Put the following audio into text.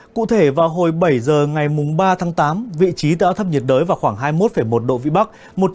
cụ thể vào hồi bảy h ngày ba tháng tám vị trí tại át thấp nhiệt đới vào khoảng hai mươi một một độ vĩ bắc